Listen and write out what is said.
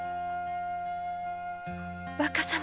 若様。